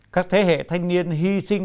các thế hệ thanh niên hy sinh